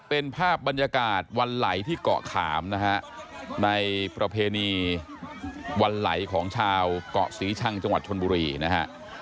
เป็นภาพบรรยากาศวันไหลที่เกาะขามนะฮะในประเพณีวันไหลของชาวเกาะศรีชังจังหวัดชนบุรีนะฮะ